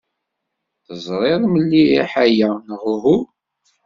Teẓrid mliḥ aya, neɣ uhu?